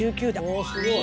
あすごい。